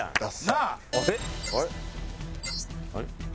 あれ？